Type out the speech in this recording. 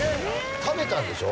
食べたんでしょ？